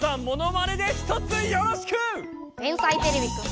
「天才てれびくん」